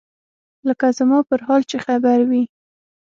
لکه زما پر حال چې خبر وي.